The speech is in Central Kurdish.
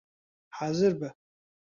حازر بە!